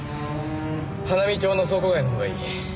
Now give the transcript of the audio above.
花見町の倉庫街の方がいい。